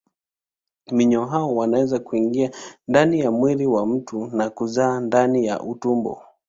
Minyoo hao wanaweza kuingia ndani ya mwili wa mtu na kuzaa ndani ya utumbo.